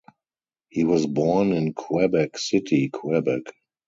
He was born in Quebec City, Quebec.